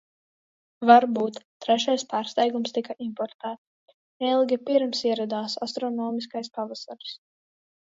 Varbūt. Trešais pārsteigums tika importēts, neilgi pirms ieradās astronomiskais pavasaris.